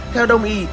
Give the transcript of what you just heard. theo đồng y